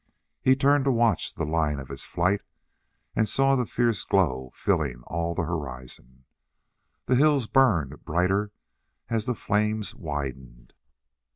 He turned to watch the line of its flight, and saw the fierce glow filling all the horizon. The hills burned brighter as the flames widened.